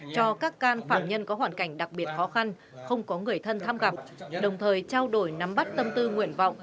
cho các can phạm nhân có hoàn cảnh đặc biệt khó khăn không có người thân tham gặp đồng thời trao đổi nắm bắt tâm tư nguyện vọng